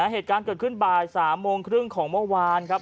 เหตุการณ์เกิดขึ้นบ่าย๓โมงครึ่งของเมื่อวานครับ